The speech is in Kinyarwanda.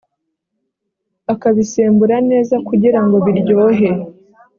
akabisembura neza kugirango biryohe